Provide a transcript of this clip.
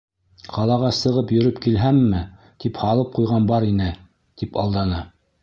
— Ҡалаға сығып йөрөп килһәмме, тип һалып ҡуйған бар ине, -тип алданы.